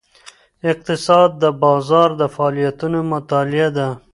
اقتصاد د بازار د فعالیتونو مطالعه ده.